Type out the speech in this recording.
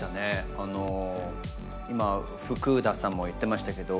あの今ふクださんも言ってましたけど。